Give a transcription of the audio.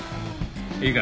いいか？